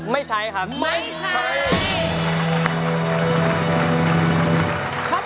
ไม่ใช่ครับ